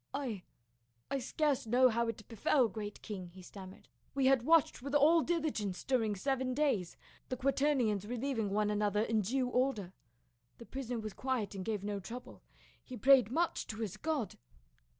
" I — I scarce know how it befell, great king," he stam mered. "We had watched with all diligence during seven days, the quaternions relieving one another in due order. The prisoner was quiet and gave no trou ble ; he prayed much to his God.